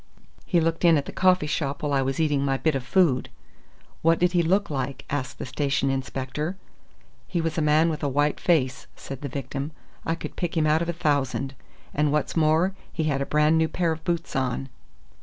"He looked in at the coffee shop while I was eating my bit of food." "What did he look like?" asked the station inspector. "He was a man with a white face," said the victim, "I could pick him out of a thousand. And what's more, he had a brand new pair of boots on."